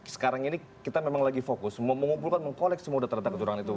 sekarang ini kita memang lagi fokus mengumpulkan mengkolek semua data data kecurangan itu